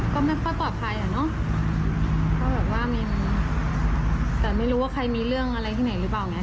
ก็ไม่ค่อยปลอดภัยเหรอเนอะเพราะแบบว่าแต่ไม่รู้ว่าใครมีเรื่องอะไรที่ไหนหรือเปล่าเนี่ย